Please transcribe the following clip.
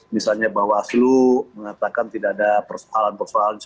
misalnya bahwa aslu mengatakan tidak ada persoalan persoalan seperti itu